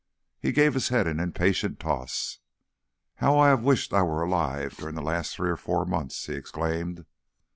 He gave his head an impatient toss. "How I have wished I were alive during the last three or four months!" he exclaimed.